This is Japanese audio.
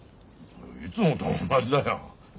いつもと同じだよ。